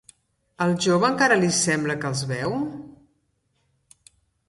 Al jove encara li sembla que els veu?